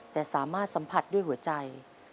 แต่สามารถสัมผัสด้วยหัวใจ